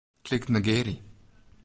Klik Negearje.